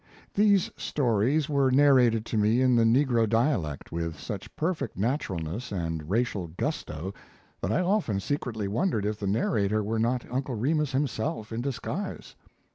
These stories were narrated to me in the negro dialect with such perfect naturalness and racial gusto that I often secretly wondered if the narrator were not Uncle Remus himself in disguise.